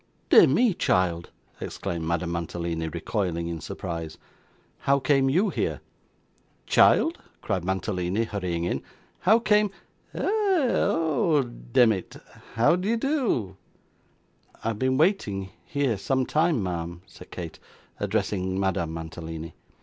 'Dear me, child!' exclaimed Madame Mantalini, recoiling in surprise. 'How came you here?' 'Child!' cried Mantalini, hurrying in. 'How came eh! oh demmit, how d'ye do?' 'I have been waiting, here some time, ma'am,' said Kate, addressing Madame Mantalini.